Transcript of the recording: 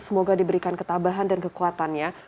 semoga diberikan ketabahan dan kekuatannya